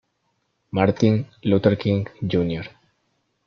Martin Luther King, Jr.